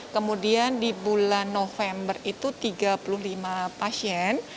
kemudian di bulan november itu tiga puluh lima pasien